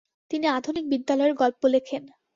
তিনি আধুনিক বিদ্যালয়ের গল্প লেখেন।